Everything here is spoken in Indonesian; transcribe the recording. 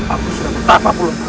aku sudah betapa puluh tahun